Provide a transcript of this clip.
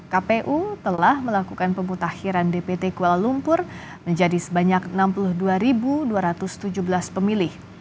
kpu telah melakukan pemutahiran dpt kuala lumpur menjadi sebanyak enam puluh dua dua ratus tujuh belas pemilih